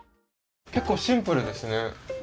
結構シンプルですね。